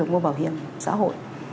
mua bảo hiểm xã hội